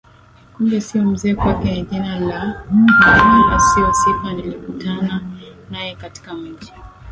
kumbe sio Mzee kwake ni jina na wala sio sifa Nilikutana naye katika mji